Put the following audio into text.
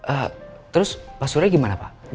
ehh terus papa surya gimana pak